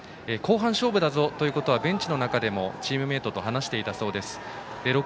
後半勝負だぞということはベンチの中でもチームメートと話していたそうです。